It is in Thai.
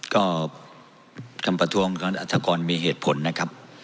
ก็คำประท้วงของอัฐกรมีเหตุผลนะครับ